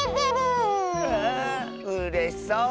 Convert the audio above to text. うれしそう！